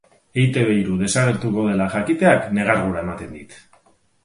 Eitb hiru desagertuko dela jakiteak negargura ematen dit.